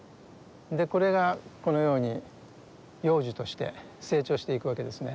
これがこのように幼樹として成長していくわけですね。